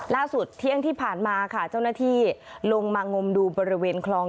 เที่ยงที่ผ่านมาค่ะเจ้าหน้าที่ลงมางมดูบริเวณคลอง